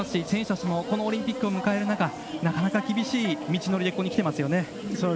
選手たちもオリンピックを迎える中なかなか厳しい道のりでここに来ていますね。